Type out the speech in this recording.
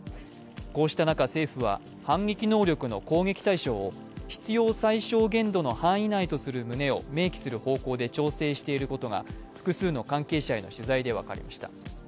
こうした中、政府は、反撃能力の攻撃対象を必要最小限度の範囲内とする旨を明記する方向で複数の関係者への取材で分かりました。